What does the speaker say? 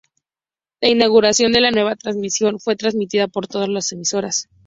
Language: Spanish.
La inauguración de la nueva transmisión fue transmitida por todas las emisoras.